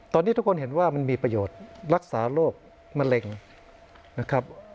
ตอนนี้ทุกคนเห็นว่ามันมีประโยชน์รักษาโรคมะเร็งนะครับ